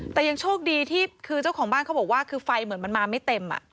แต่ยังโชคดีที่คือเจ้าของบ้านเขาบอกว่าคือไฟเหมือนมันมาไม่เต็ม